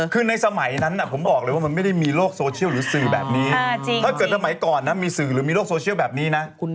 คือในสมัยนั้นผมบอกเลยว่ามันไม่ได้มีโลกโซเชียลหรือสื่อแบบนี้ถ้าเกิดสมัยก่อนนะมีสื่อหรือมีโลกโซเชียลแบบนี้นะ